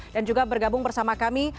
dan juga bergabung bersama kami